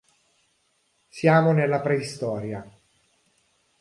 Siamo nella preistoria.